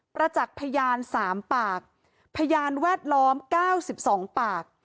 ประจักษ์พยานสามปากพยานแวดล้อมเก้าสิบสองปาก